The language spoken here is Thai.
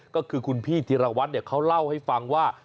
ก็คือคุณพี่ธีรวัตรเขาเล่าให้ฟังว่า